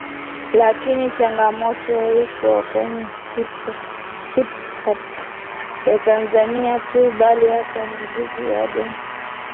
Lakini changamoto haikuwa kwenye HipHop ya Tanzania tu bali hata muziki wa dansi